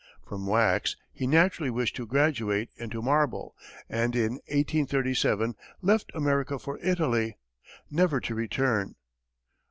From wax, he naturally wished to graduate into marble, and in 1837, left America for Italy, never to return.